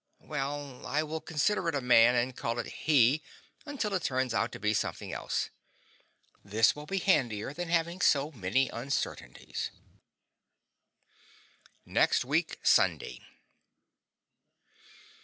Well, I will consider it a man and call it he until it turns out to be something else. This will be handier than having so many uncertainties. NEXT WEEK SUNDAY.